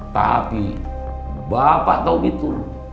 tapi bapak tau gitu